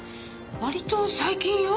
割と最近よ。